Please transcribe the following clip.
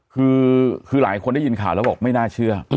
คือหลายคนได้ยินข่าวแล้วบอกไม่น่าเชื่อ